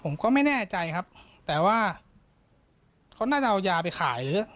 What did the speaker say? ผมก็ไม่แน่ใจครับแต่ว่าเขาน่าจะเอายาไปขายหรือ